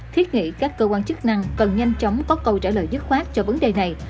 thiết nghĩ các cơ quan chức năng cần nhanh chóng có câu trả lời dứt khoát cho vấn đề này